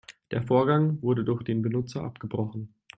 Der Vorgang wurde durch den Benutzer abgebrochen.